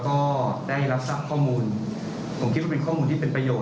เพื่อที่จะดำเนินการในส่วนของข้อกฎหมายต่อไป